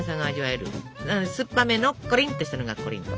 酸っぱめのコリンっとしたのがコリント。